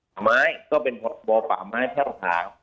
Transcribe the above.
ป่าไม้ก็เป็นบ่อป่าไม้ถ้ำขาว